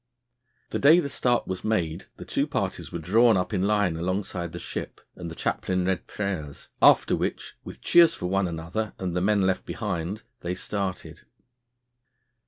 The day the start was made the two parties were drawn up in line alongside the ship, and the chaplain read prayers, after which, with cheers for one another and the men left behind, they started.